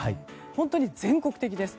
本当に全国的です。